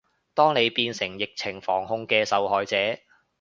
當你變成疫情防控嘅受害者